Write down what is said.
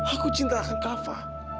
aku cinta akan kava